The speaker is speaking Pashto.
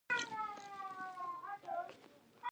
د اریانا افغان هوايي شرکت ګټه کوي؟